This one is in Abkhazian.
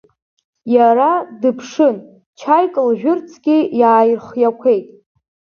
Иара дыԥшын, чаик лжәырцгьы иааирхиақәеит.